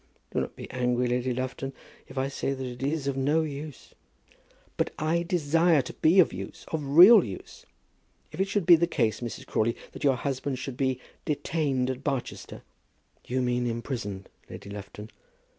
Do not be angry, Lady Lufton, if I say that it is of no use." "But I desire to be of use, of real use. If it should be the case, Mrs. Crawley, that your husband should be detained at Barchester " "You mean imprisoned, Lady Lufton."